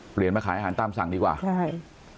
เปลี่ยนมาขายอาหารตามสั่งดีกว่าใช่